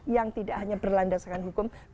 yang tidak hanya berlandasakan hukum